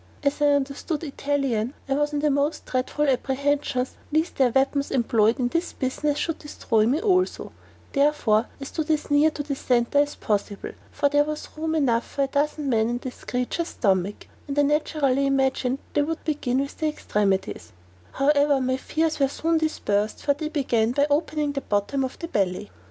As I understood Italian, I was in most dreadful apprehensions lest their weapons employed in this business should destroy me also; therefore I stood as near the centre as possible, for there was room enough for a dozen men in this creature's stomach, and I naturally imagined they would begin with the extremities; however, my fears were soon dispersed, for they began by opening the bottom of the belly.